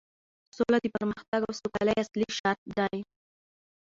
سوله د پرمختګ او سوکالۍ اصلي شرط دی